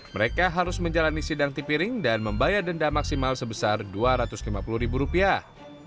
mereka harus menjalani sidang tipiring dan membayar denda maksimal sebesar dua ratus lima puluh ribu rupiah